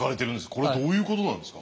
これどういうことなんですか？